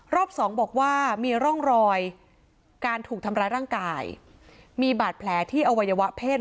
รอบสองบอกว่ามีร่องรอยการถูกทำร้ายร่างกายมีบาดแผลที่อวัยวะเพศ